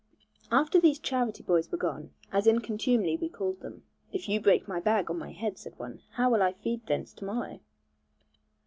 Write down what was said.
After these 'charity boys' were gone, as in contumely we called them 'If you break my bag on my head,' said one, 'how will feed thence to morrow?'